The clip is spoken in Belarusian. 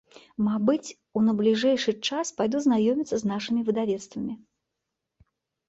Мабыць, у найбліжэйшы час пайду знаёміцца з нашымі выдавецтвамі.